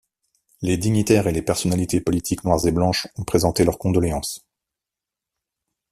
Les dignitaires et les personnalités politiques noires et blanches ont présenté leurs condoléances.